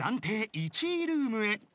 １位ルームへ］